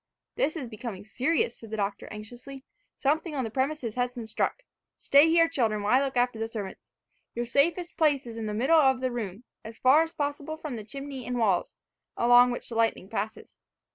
"This is becoming serious," said the Doctor anxiously. "Something on the premises has been struck. Stay here, children, while I look after the servants. Your safest place is in the middle of the room, as far as possible from the chimney and walls, along which the lightning passes."